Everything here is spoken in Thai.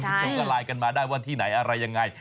ชงกะไลน์กันมาได้ว่าที่ไหนอะไรยังไง